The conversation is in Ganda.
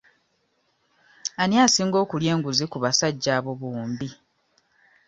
Ani asinga okulya enguzi ku basajja abo bombi?